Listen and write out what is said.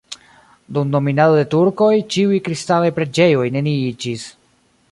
Dum dominado de turkoj ĉiuj kristanaj preĝejoj neniiĝis.